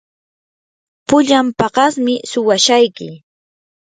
pullan paqasmi suwashayki.